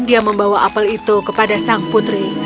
dia membawa apel itu kepada sang putri